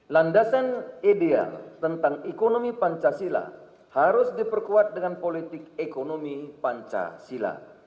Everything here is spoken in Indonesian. landasan ideal tentang ekonomi pancasila harus diperkuat dengan politik ekonomi pancasila